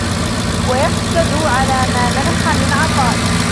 وَيَحْسُدُ عَلَى مَا مَنَحَ مِنْ عَطَائِهِ